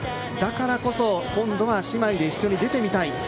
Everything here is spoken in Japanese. だからこそ今度は姉妹で一緒に出てみたい。